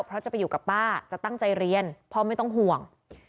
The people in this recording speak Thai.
เพราะจะไปอยู่กับป้าจะตั้งใจเรียนพ่อไม่ต้องห่วง